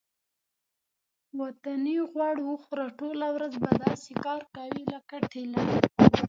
وطني غوړ وخوره ټوله ورځ به داسې کار کوې لکه ټېلر.